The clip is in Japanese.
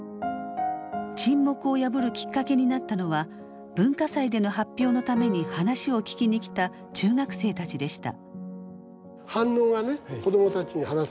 沈黙を破るきっかけになったのは文化祭での発表のために話を聞きに来た中学生たちでした。